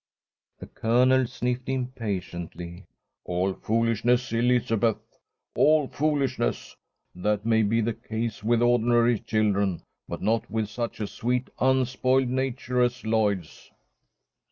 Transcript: The Colonel sniffed impatiently. "All foolishness, Elizabeth! All foolishness! That may be the case with ordinary children, but not with such a sweet, unspoiled nature as Lloyd's."